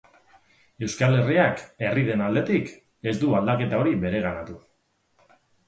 Euskal Herriak, herri den aldetik, ez du aldaketa hori bereganatu.